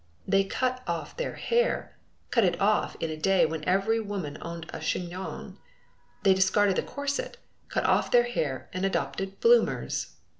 They cut off their hair, cut it off in a day when every woman owned a chignon. They discarded the corset, cut off their hair, and adopted bloomers!